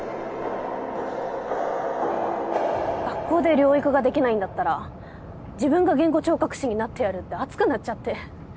学校で療育ができないんだったら自分が言語聴覚士になってやるって熱くなっちゃって。